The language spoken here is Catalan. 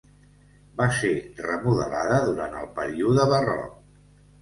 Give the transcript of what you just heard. Va ser remodelada durant el període barroc.